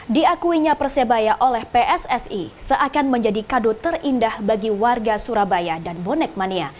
diakuinya persebaya oleh pssi seakan menjadi kado terindah bagi warga surabaya dan bonek mania